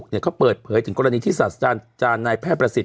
เค้าเปิดเผยถึงกรณีที่สัจจานในแพ่ประสิทธิ์